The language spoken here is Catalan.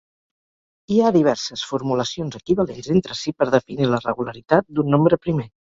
Hi ha diverses formulacions equivalents entre si per definir la regularitat d'un nombre primer.